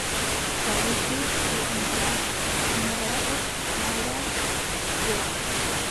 رأيت في المائق ما لا يرى